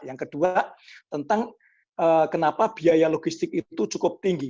yang kedua tentang kenapa biaya logistik itu cukup tinggi